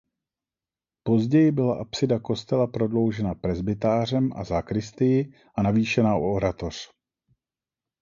Později byla apsida kostela prodloužena presbytářem a sakristii a navýšena o oratoř.